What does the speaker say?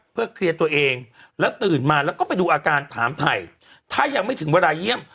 เพื่อเคลียร์ตัวเองและตื่นมาแล้วก็ไปดูอาการถามไทยถ้ายังไม่ถึงเวลาเยี่ยม